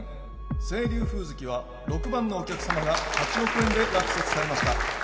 「青龍風月」は６番のお客様が８億円で落札されました